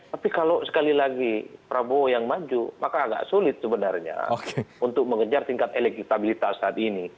tapi kalau sekali lagi prabowo yang maju maka agak sulit sebenarnya untuk mengejar tingkat elektabilitas saat ini